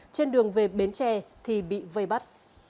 trên đường về bến tre thì bị vây bắt